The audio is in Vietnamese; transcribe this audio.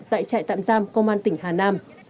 tại trại tạm giam công an tỉnh hà nam